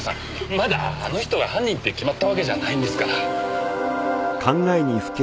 まだあの人が犯人って決まったわけじゃないんですから。